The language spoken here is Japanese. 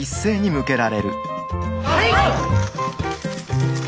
はい！